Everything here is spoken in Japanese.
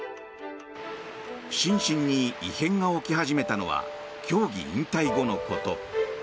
心身に異変が起き始めたのは競技引退後のこと。